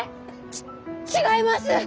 ち違います！